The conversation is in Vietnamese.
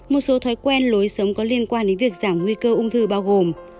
một số thói quen lối sống có liên quan đến việc giảm nguy cơ ung thư bao gồm